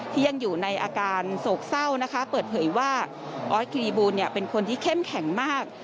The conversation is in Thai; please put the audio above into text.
ที่ยังอยู่ในอาการโศกเศร้านะคะเปิดเผยว่าออสกิริบูลเป็นคนที่เข้มแข็งมาก